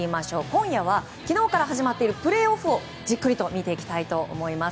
今夜は昨日から始まっているプレーオフをじっくり見ていきます。